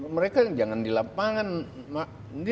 mereka jangan di lapangan